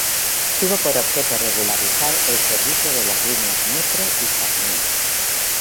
Tuvo por objeto regularizar el servicio de las líneas Mitre y Sarmiento.